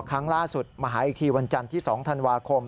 ครั้งล่าสุดมาหาอีกทีวันจันทร์ที่๒ธันวาคม